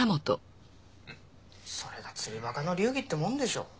それが釣りバカの流儀ってもんでしょ。